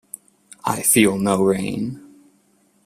I feel no rain.